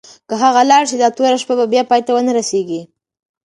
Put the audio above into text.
که هغه لاړه شي، دا توره شپه به پای ته ونه رسېږي.